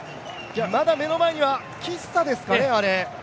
まだ目の前にはキッサですかね。